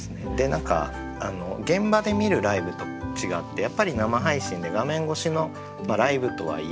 何か現場で見るライブと違ってやっぱり生配信で画面越しのライブとはいえ